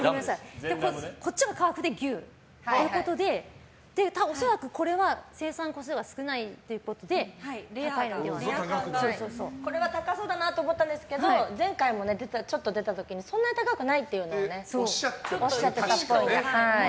こっちはカーフで牛ということで恐らく、これは生産個数が少ないということでこれは高そうだなと思ったんですけど前回もちょっと出た時にそんなに高くないとおっしゃってたっぽいので。